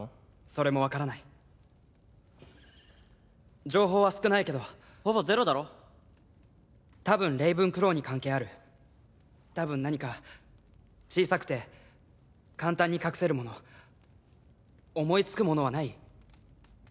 それも分からない情報は少ないけどほぼゼロだろたぶんレイブンクローに関係あるたぶん何か小さくて簡単に隠せるもの思いつくものはない？